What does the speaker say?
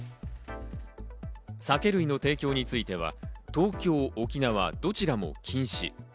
酒類の提供については東京、沖縄、どちらも禁止。